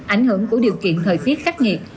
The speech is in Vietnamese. ảnh hưởng của điều kiện thời tiết khắc nghiệt